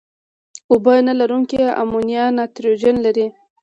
اوبه نه لرونکي امونیا نایتروجن لري.